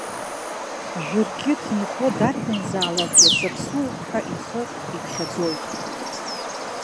Жәыргьыҭ инхо дарбанзаалакгьы саԥсуоуп ҳәа ихы иԥхьаӡоит.